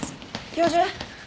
教授。